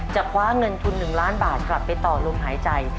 คว้าเงินทุน๑ล้านบาทกลับไปต่อลมหายใจ